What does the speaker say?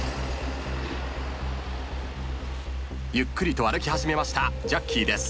ゆっくりと歩き始めましたジャッキーです。